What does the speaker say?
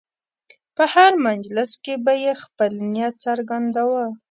په هر مجلس کې به یې خپل نیت څرګنداوه.